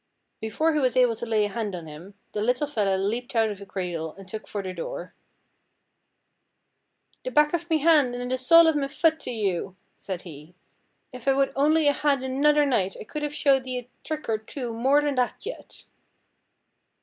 Before he was able to lay a hand on him, the little fella leaped out of the cradle and took for the door. 'The back of me han' an' the sole of me fut to you!' said he, 'if I would only a had another night I could have showed thee a trick or two more than that yet.'